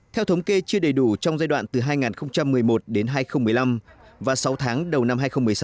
theo thống kê chưa đầy đủ trong giai đoạn từ hai nghìn một mươi một đến hai nghìn một mươi năm và sáu tháng đầu năm hai nghìn một mươi sáu